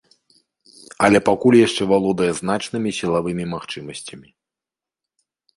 Але пакуль яшчэ валодае значнымі сілавымі магчымасцямі.